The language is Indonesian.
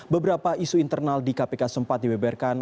beberapa isu internal di kpk sempat dibeberkan